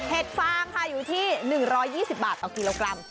ฟางค่ะอยู่ที่๑๒๐บาทต่อกิโลกรัม